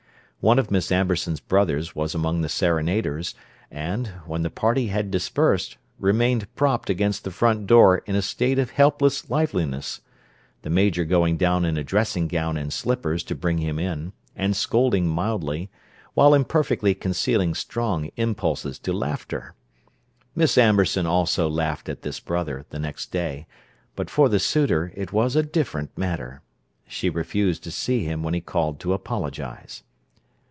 One of Miss Amberson's brothers was among the serenaders, and, when the party had dispersed, remained propped against the front door in a state of helpless liveliness; the Major going down in a dressing gown and slippers to bring him in, and scolding mildly, while imperfectly concealing strong impulses to laughter. Miss Amberson also laughed at this brother, the next day, but for the suitor it was a different matter: she refused to see him when he called to apologize.